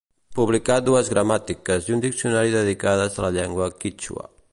Publicà dues gramàtiques i un diccionari dedicades a la llengua quítxua.